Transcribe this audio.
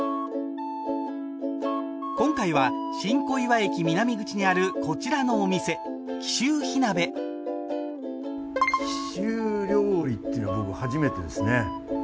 今回は新小岩駅南口にあるこちらのお店貴州火鍋貴州料理ってのは僕初めてですね。